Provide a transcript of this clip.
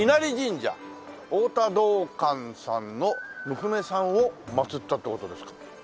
太田道灌さんの娘さんを祭ったって事ですか？